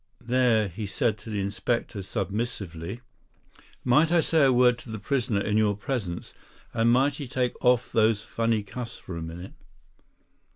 There he said to the Inspector submissively: "Might I say a word to the prisoner in your presence; and might he take off those funny cuffs for a minute?"